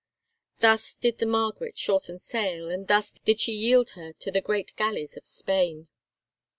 Thus did the Margaret shorten sail, and thus did she yield her to the great galleys of Spain.